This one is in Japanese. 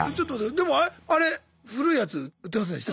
でもあれ古いやつ売ってませんでした？